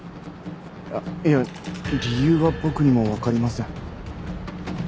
あっいや理由は僕にもわかりません。